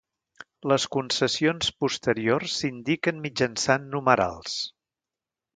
Les concessions posteriors s'indiquen mitjançant numerals.